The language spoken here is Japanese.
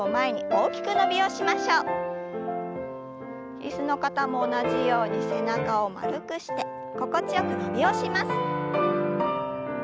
椅子の方も同じように背中を丸くして心地よく伸びをします。